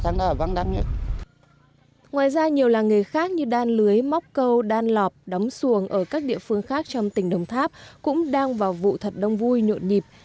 ngoài ra nhiều làng nghề khác như đan lưới móc câu đan lọt đóng xuồng ở các địa phương khác trong tỉnh đồng tháp cũng đang vào vụ thật đông vui nhộn nhịp